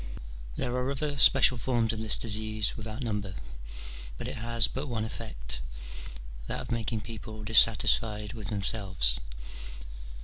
There are other special forms of this disease without number, but it has but one effect, that of making people dissatisfied with themselves.